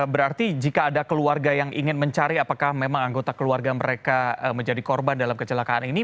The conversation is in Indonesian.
berarti jika ada keluarga yang ingin mencari apakah memang anggota keluarga mereka menjadi korban dalam kecelakaan ini